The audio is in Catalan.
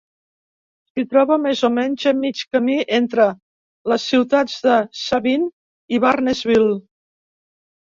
Es troba més o menys a mig camí entre les ciutats de Sabin i Barnesville.